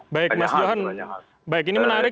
banyak hal banyak hal